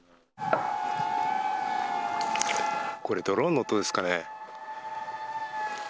これ、ドローンの音ですかね？